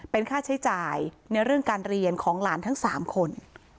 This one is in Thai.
เป็นค่าใช้จ่ายในเรื่องการเรียนของหลานทั้ง๓คน